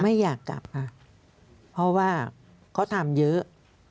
ไม่อยากกลับค่ะเพราะว่าเขาทำเยอะ